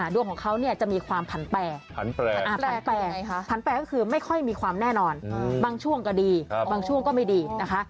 ดวงของเขาจะมีความผันแปรผันแปลก็คือไม่ค่อยมีความแน่นอนบางช่วงก็ดีบางช่วงก็ไม่ดีนะคะ